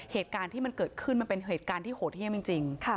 เหตุการณ์ที่มันเกิดขึ้นมันเป็นเหตุการณ์ที่โหดเยี่ยมจริง